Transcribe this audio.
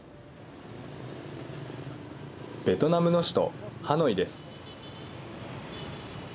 ベトナムの首都ハノイです。